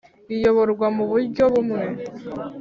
Iyoborwa mu buryo bumwe